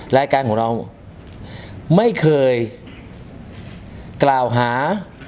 รายการของเราไม่เคยกล่าวหา